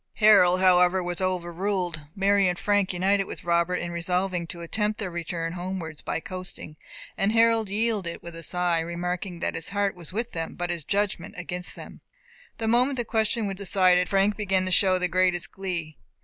Harold, however, was overruled. Mary and Frank united with Robert in resolving to attempt their return homewards by coasting; and Harold yielded with a sigh, remarking that his heart was with them, but his judgment against them. The moment the question was decided, Frank began to show the greatest glee.